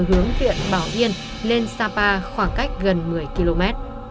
hướng huyện bảo yên lên sapa khoảng cách gần một mươi km